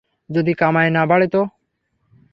যদি কামাই না বাড়ে তো?